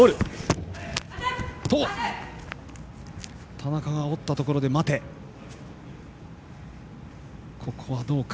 田中があおったところで待てです。